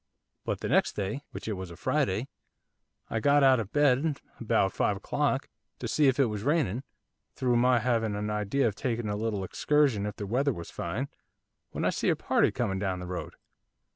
But the next day, which it was a Friday, I got out of bed about five o'clock, to see if it was raining, through my having an idea of taking a little excursion if the weather was fine, when I see a party coming down the road.